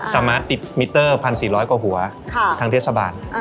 สามารถติดมิเตอร์๑๔๐๐กว่าหัวทางเทศบาล